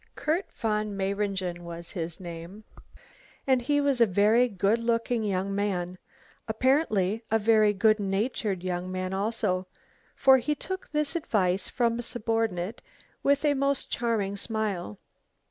Kurt von Mayringen was his name, and he was a very good looking young man, apparently a very good natured young man also, for he took this advice from a subordinate with a most charming smile.